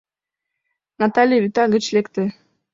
Натали вӱта гыч лекте.